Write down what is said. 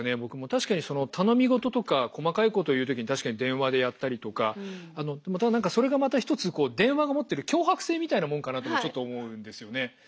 確かに頼み事とか細かいこと言う時に確かに電話でやったりとかそれがまた一つ電話が持ってる強迫性みたいなもんかなとちょっと思うんですよね。